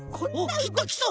きっときそう。